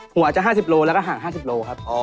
หัวจะ๕๐โลแล้วก็ห่าง๕๐โลครับ